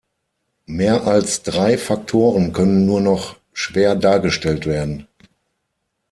Mehr als drei Faktoren können nur noch schwer dargestellt werden.